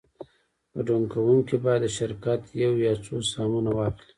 ګډون کوونکی باید د شرکت یو یا څو سهمونه واخلي